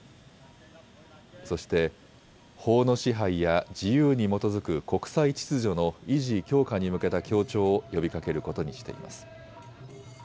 そして法の支配や自由に基づく国際秩序の維持・強化に向けた協調を呼びかけることにしています。